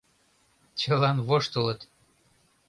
Чылан воштылыт.